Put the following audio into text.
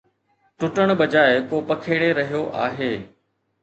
ٽٽڻ بجاءِ ڪو پکيڙي رهيو آهي